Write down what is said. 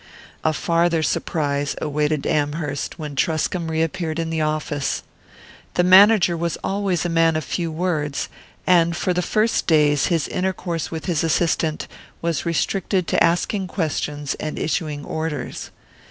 A farther surprise awaited Amherst when Truscomb reappeared in the office. The manager was always a man of few words; and for the first days his intercourse with his assistant was restricted to asking questions and issuing orders.